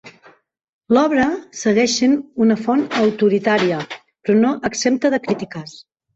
L'obra segueix sent una font autoritària, però no exempta de crítiques.